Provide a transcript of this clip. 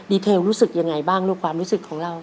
เทลรู้สึกยังไงบ้างลูกความรู้สึกของเรา